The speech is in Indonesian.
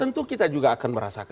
tentu kita juga akan merasakan